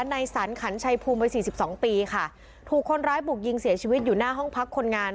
ในสรรขันชัยภูมิวัยสี่สิบสองปีค่ะถูกคนร้ายบุกยิงเสียชีวิตอยู่หน้าห้องพักคนงาน